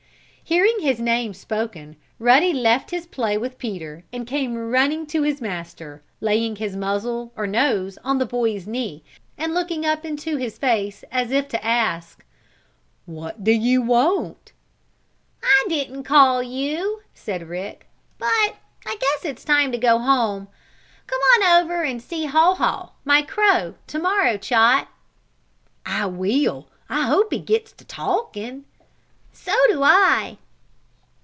Hearing his name spoken Ruddy left his play with Peter, and came running to his master, laying his muzzle, or nose, on the boy's knee, and looking up into his face as if to ask: "What do you want?" "I didn't call you," said Rick. "But I guess it's time to go home. Come on over and see Haw Haw, my crow, to morrow, Chot." "I will. I hope he gets to talking." "So do I!"